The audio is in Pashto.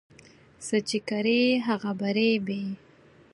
څه چې کرې، هغه به ريبې